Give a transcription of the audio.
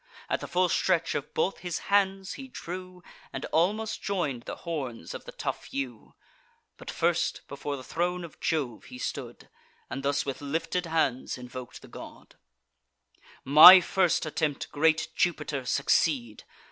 At the full stretch of both his hands he drew, And almost join'd the horns of the tough yew. But, first, before the throne of Jove he stood, And thus with lifted hands invok'd the god: "My first attempt, great Jupiter, succeed!